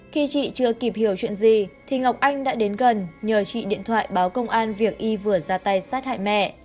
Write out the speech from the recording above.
khi chị chưa kịp hiểu chuyện gì thì ngọc anh đã đến gần nhờ chị điện thoại báo công an việc y vừa ra tay sát hại mẹ